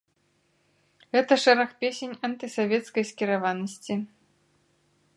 Гэта шэраг песень антысавецкай скіраванасці.